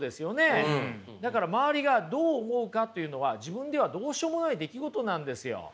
だから周りがどう思うかっていうのは自分ではどうしようもない出来事なんですよ。